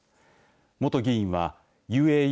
元議員はＵＡＥ